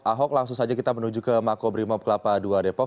ahok langsung saja kita menuju ke makobrimob kelapa dua depok